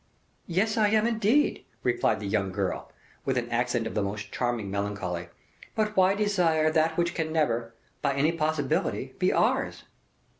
"Yes, I am, indeed," replied the young girl, with an accent of the most charming melancholy; "but why desire that which can never, by any possibility, be ours?"